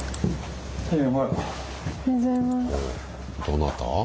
どなた？